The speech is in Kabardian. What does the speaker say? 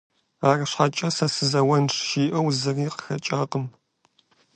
АрщхьэкӀэ, сэ сызэуэнщ жиӀэу зыри къахэкӀакъым.